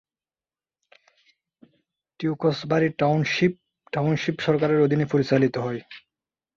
টিউকসবারি township township সরকারের অধীনে পরিচালিত হয়।